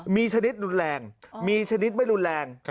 มีชนิดรุนแรงมีชนิดไม่รุนแรง